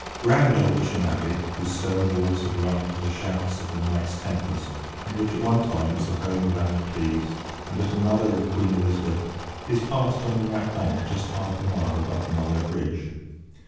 Grand old Bisham Abbey, whose stone walls have rung to the shouts of the Knights Templars, and which, at one time, was the home of Anne of Cleves and at another of Queen Elizabeth, is passed on the right bank just half a mile above Marlow Bridge.